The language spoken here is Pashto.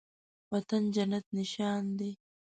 وطن جنت نشان دی